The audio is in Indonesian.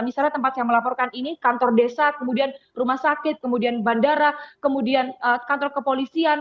misalnya tempat yang melaporkan ini kantor desa rumah sakit bandara kantor kepolisian